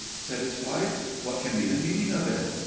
said his wife; "what can be the meaning of it?"